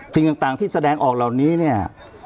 สิ่งต่างที่แสดงออกเหล่านี้เนี่ย